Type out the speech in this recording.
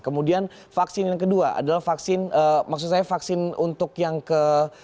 kemudian vaksin yang kedua adalah vaksin maksud saya vaksin untuk yang ke